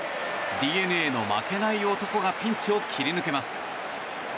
ＤｅＮＡの負けない男がピンチを切り抜けます。